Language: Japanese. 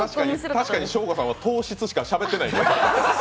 確かにショーゴさんは「糖質」しかしゃべってない。